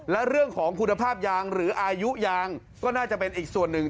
และเรื่องของคุณภาพยางหรืออายุยางก็น่าจะเป็นอีกส่วนหนึ่ง